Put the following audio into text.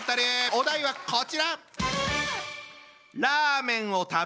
お題はこちら！